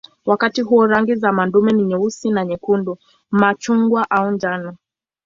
Wakati huo rangi za madume ni nyeusi na nyekundu, machungwa au njano.